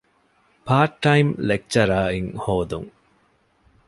ޕާރޓްޓައިމް ލެކްޗަރަރ އިން ހޯދުން